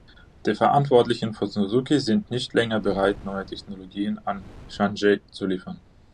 Die Verantwortlichen von Suzuki sind nicht länger bereit, neue Technologien an Changhe zu liefern.